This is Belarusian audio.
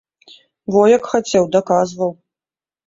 Во як хацеў, даказваў.